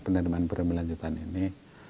penerimaan premi lanjutan ini